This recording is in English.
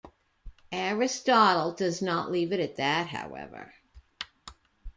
Aristotle does not leave it that, however.